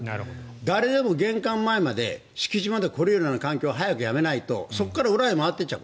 誰でも玄関前まで敷地まで来れるような環境は早くやめないとそこから裏へ回っていっちゃう。